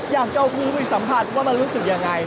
อยากจะเอาพื้นไปสัมผัสว่ามันรู้สึกยังไง